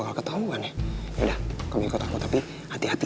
silahkan pak dilihat lihat lagi